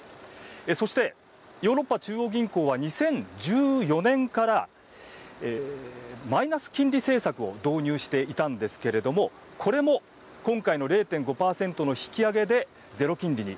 そして、ヨーロッパ中央銀行は２０１４年からマイナス金利政策を導入していたんですけれどもこれも今回の０．５％の引き上げでゼロ金利に。